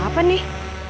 dia siapa nih